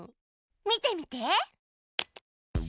見てみて。